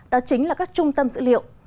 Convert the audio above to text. đó chính là các trung tâm dữ liệu